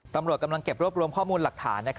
ตำรวจกำลังเก็บรวบรวมข้อมูลหลักฐาน